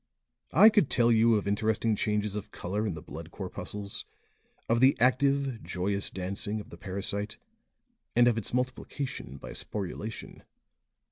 I could tell you of interesting changes of color in the blood corpuscles, of the active, joyous dancing of the parasite, and of its multiplication by sporulation.